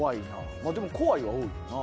でも「怖い」は多いな。